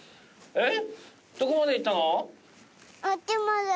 えっ